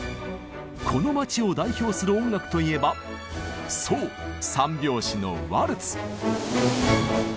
この街を代表する音楽といえばそう３拍子のワルツ！